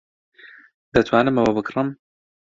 دەتوانم ئەوە بکڕم؟